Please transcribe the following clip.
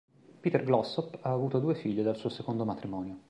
Peter Glossop ha avuto due figlie dal suo secondo matrimonio.